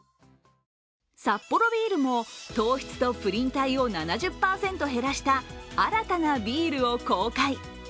サッポロビールも、糖質とプリン体を７０％減らした新たなビールを公開。